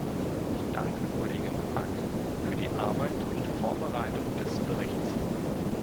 Ich danke Kollegin Pack für die Arbeit in Vorbereitung des Berichts.